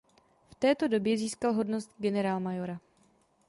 V této době získal hodnost generálmajora.